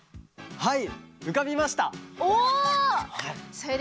はい。